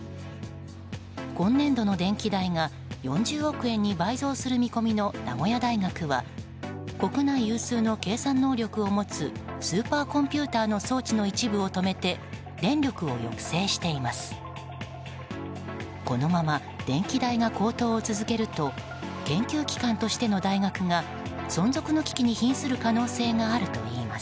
今年度の電気代が４０億円に倍増する見込みの名古屋大学は国内有数の計算能力を持つスーパーコンピューターの装置の一部を止めて電力を抑制しています。